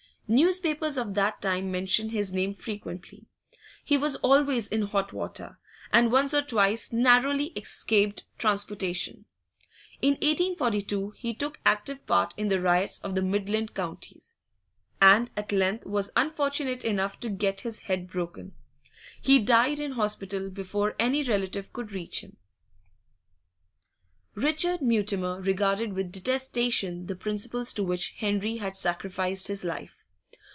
Newspapers of that time mention his name frequently; he was always in hot water, and once or twice narrowly escaped transportation. In 1842 he took active part in the riots of the Midland Counties, and at length was unfortunate enough to get his head broken. He died in hospital before any relative could reach him. Richard Mutimer regarded with detestation the principles to which Henry had sacrificed his life.